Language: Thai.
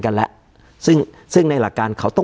การแสดงความคิดเห็น